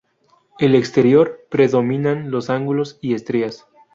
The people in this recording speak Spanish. El exterior predominan los ángulos y estrías.